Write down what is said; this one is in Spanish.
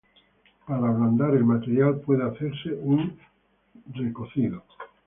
Para ablandar el material puede hacerse un recocido.